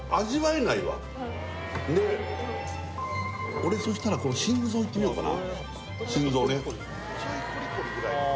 俺、そうした心臓いってみようかな。